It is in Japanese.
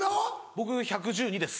僕１１２です。